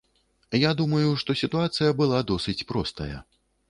Я думаю, што сітуацыя была досыць простая.